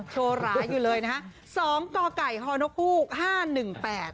โชว์ร้ายอยู่เลยนะฮะสองก่อไก่ฮอนกฮูกห้าหนึ่งแปด